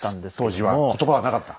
当時は言葉はなかった。